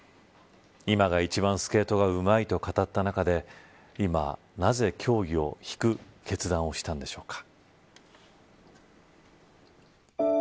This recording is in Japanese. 今が一番スケートがうまいと語った中で今、なぜ競技を引く決断をしたのでしょうか。